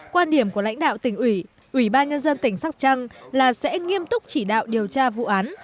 quan điểm của lãnh đạo tỉnh ủy ủy ban nhân dân tỉnh sóc trăng là sẽ nghiêm túc chỉ đạo điều tra vụ án